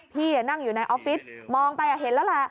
พี่นั่งอยู่ในออฟฟิศมองไปเห็นแล้วแหละ